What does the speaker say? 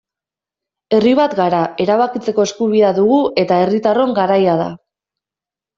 Herri bat gara, erabakitzeko eskubidea dugu eta herritarron garaia da.